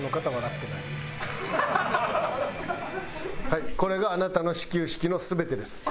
はいこれがあなたの始球式の全てです。